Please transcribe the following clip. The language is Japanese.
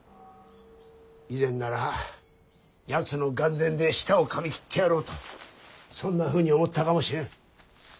以前ならやつの眼前で舌をかみ切ってやろうとそんなふうに思ったかもしれん。